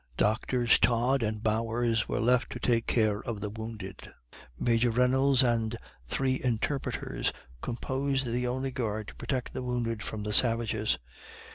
Doctors Todd and Bowers were left to take care of the wounded. Major Reynolds and and three interpreters composed the only guard to protect the wounded from the savages.